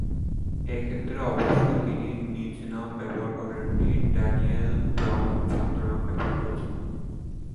এক্ষেত্রে অবশ্য তিনি নিজ নাম ব্যবহার করেননি; "ড্যানিয়েল ব্রাউন" ছদ্মনাম ব্যবহার করেন।